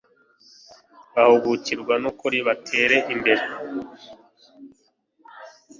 bahugukirwe n'ukuri batere imbere